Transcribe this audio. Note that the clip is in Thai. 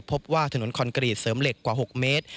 พบว่าถนนคอนกรีตเสริมเหล็กกว่า๖เมตร